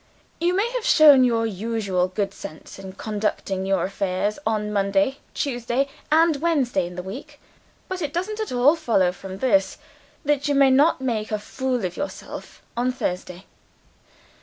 You may have shown your usual good sense in conducting your affairs on Monday, Tuesday, and Wednesday in the week. But it doesn't at all follow from this, that you may not make a fool of yourself on Thursday.